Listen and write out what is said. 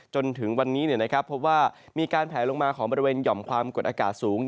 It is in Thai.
จนถึงวันนี้พบว่ามีการแผลลงมาของบริเวณหย่อมความกดอากาศสูง